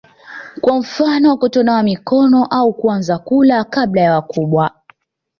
kwa mfano kutonawa mikono au kuanza kula kabla ya wakubwa